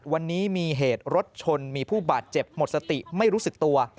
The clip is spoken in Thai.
วันนี้มีเหตุรถชนมีผู้บาดเจ็บหมดสติไม่รู้สึกตัว